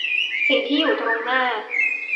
สิ่งที่อยู่ตรงหน้า